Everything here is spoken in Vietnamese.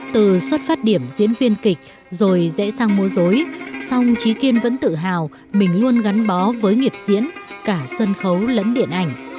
từ xuất phát điểm diễn viên kịch rồi dễ sang múa dối song trí kiên vẫn tự hào mình luôn gắn bó với nghiệp diễn cả sân khấu lẫn điện ảnh